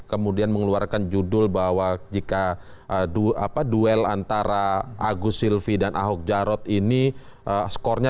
kemudian mengeluarkan judul bahwa jika duel antara agus silvi dan ahok jarot ini skornya